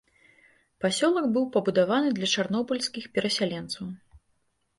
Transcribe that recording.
Пасёлак быў пабудаваны для чарнобыльскіх перасяленцаў.